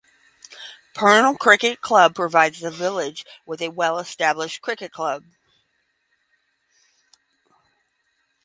Purnell Cricket Club provides the village with a well-established cricket club.